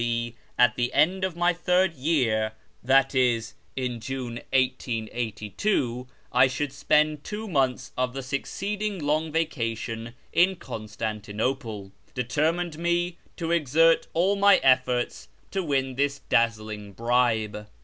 Ij. at the end of my third year {i.e. in June 1882), I should spend two months of the succeeding Long Vacation in Constantinople, determined me to exert all my efforts to win this dazzling bribe.